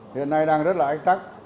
hiện nay đang rất là ánh tắc